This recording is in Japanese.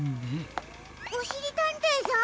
おしりたんていさん？